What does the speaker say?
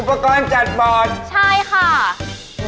อุปกรณ์จัดบอร์ดใช่ค่ะ